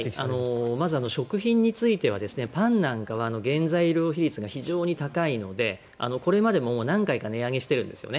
まず、食品についてはパンなんかは原材料費率が非常に高いのでこれまでも何回か値上げしてるんですね。